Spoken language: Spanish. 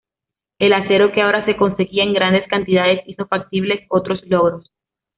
El acero que ahora se conseguía en grandes cantidades hizo factibles otros logros.